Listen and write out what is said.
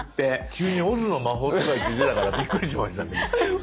急に「オズの魔法使い」って出たからびっくりしましたけど。